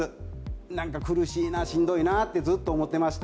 なんか苦しいな、しんどいなってずっと思ってました。